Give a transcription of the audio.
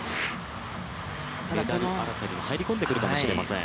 メダル争いにも入り込んでくるかもしれません。